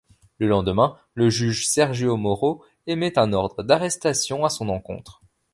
Le lendemain, le juge Sérgio Moro émet un ordre d'arrestation à son encontre.